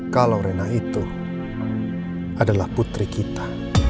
kalau rena itu adalah putri kita